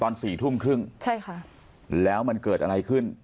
สี่ทุ่มครึ่งใช่ค่ะแล้วมันเกิดอะไรขึ้น